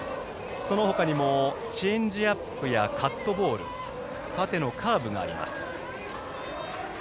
そのほかにもチェンジアップやカットボール縦のカーブがあります。